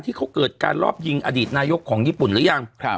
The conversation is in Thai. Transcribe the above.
ที่เขาเกิดการรอบยิงอดีตนายกของญี่ปุ่นหรือยัง